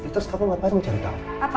terus kamu bapak mencari tahu